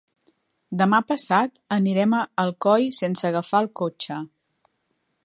Demà passat anirem a Alcoi sense agafar el cotxe.